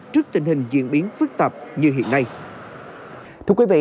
trước tình hình diễn biến phức tạp như hiện nay